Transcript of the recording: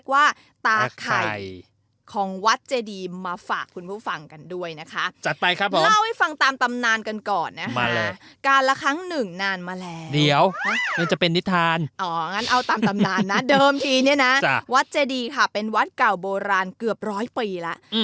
วัดเจดีเป็นวัดเก่าโบราณเกือบ๑๐๐ปีแล้ว